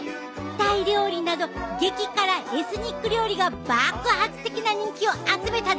タイ料理など激辛エスニック料理が爆発的な人気を集めたで。